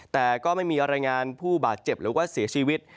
แต่ก็ไม่มีรายงานผู้บาดเจ็บหรือว่าเสียชีวิต